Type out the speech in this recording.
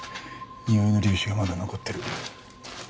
臭いの粒子がまだ残ってる。